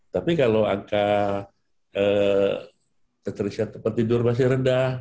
tapi kalau angka keterisian tempat tidur masih rendah